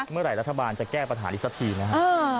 เมื่อไหร่รัฐบาลจะแก้ปัฐานนี้ซักทีนะฮะ